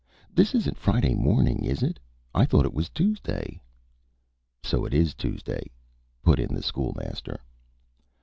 "This isn't Friday morning, is it? I thought it was Tuesday." "So it is Tuesday," put in the School Master.